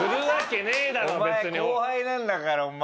お前後輩なんだからお前。